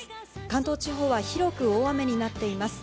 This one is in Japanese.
関東地方は広く大雨になっています。